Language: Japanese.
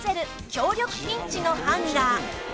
強力ピンチのハンガー